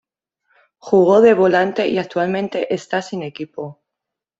Jugó de volante y actualmente está sin equipo.